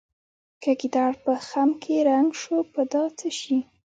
که ګیدړ په خم کې رنګ شو په دا څه شي.